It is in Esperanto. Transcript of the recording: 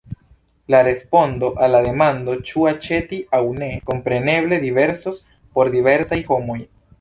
La respondo al la demando, ĉu aĉeti aŭ ne, kompreneble diversos por diversaj homoj.